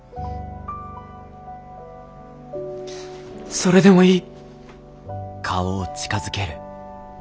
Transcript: それでもいい。